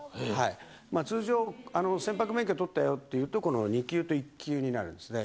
通常、船舶免許取ったよというと、この２級と１級になるんですね。